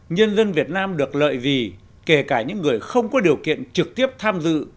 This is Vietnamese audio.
nhân dân việt nam được lợi gì kể cả những người không có điều kiện trực tiếp tham dự